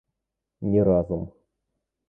Не разум.